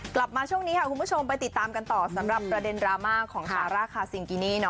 กลับมาช่วงนี้ค่ะคุณผู้ชมไปติดตามกันต่อสำหรับประเด็นดราม่าของซาร่าคาซิงกินี่